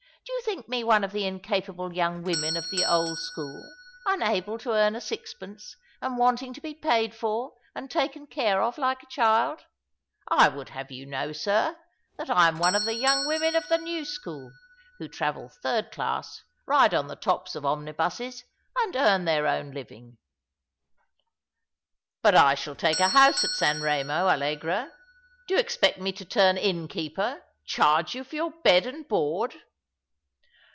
" Do yon think me one of the incapable young women of the old school — unable to earn a sixpence, and wanting to be paid for and taken care of like a child ? I would have you to know, sir, that I am one of the young women of the new school, who travel third clas??, ride on the tops of omnibuses, and earn their own living." " But I shall take a house at San Eemo, Allegra. Do you expect rne to turn innkeeper — charge you for your bed and board?"